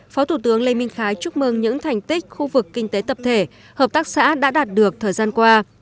phó thủ tướng lê minh khái chúc mừng những thành tích khu vực kinh tế tập thể hợp tác xã đã đạt được thời gian qua